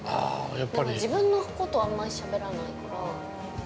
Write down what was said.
自分のことはあんまりしゃべらないから。